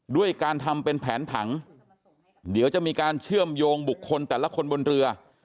ด้วยการทำเป็นแผนผังเดี๋ยวจะมีการเชื่อมโยงบุคคลแต่ละคนบนเรือ